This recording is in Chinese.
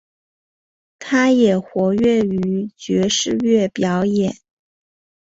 他也活跃于爵士乐表演。